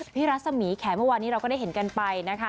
ภิราษมีค์แขมอวันนี้เราก็ได้เห็นกันไปนะคะ